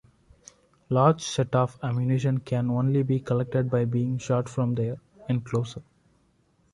Large sets of ammunition can only be collected by being shot from their enclosure.